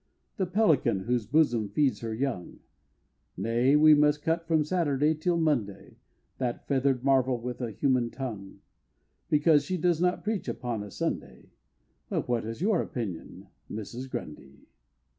The Pelican whose bosom feeds her young? Nay, must we cut from Saturday till Monday That feather'd marvel with a human tongue, Because she does not preach upon a Sunday But what is your opinion, Mrs. Grundy?